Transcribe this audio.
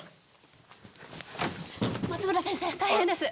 松村先生大変です！